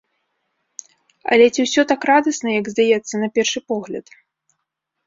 Але ці ўсё так радасна, як здаецца на першы погляд?